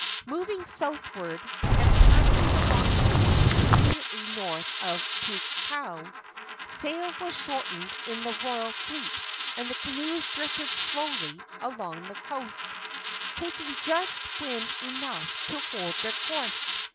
Moving southward, and passing the rocky point immediately north of Puako, sail was shortened in the royal fleet, and the canoes drifted slowly along the coast, taking just wind enough to hold their course.